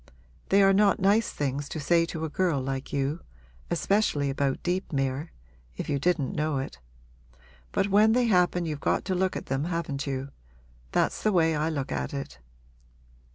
They are not nice things to say to a girl like you especially about Deepmere, if you didn't know it. But when they happen you've got to look at them, haven't you? That's the way I look at it.'